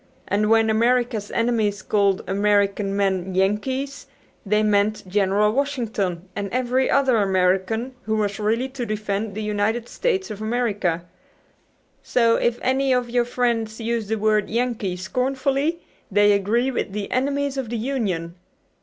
And when America's enemies called American men 'Yankees' they meant General Washington and every other American who was ready to defend the United States of America. So if any of your friends use the word 'Yankee' scornfully they agree with the enemies of the Union.